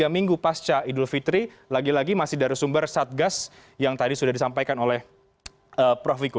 tiga minggu pasca idul fitri lagi lagi masih dari sumber satgas yang tadi sudah disampaikan oleh prof wiku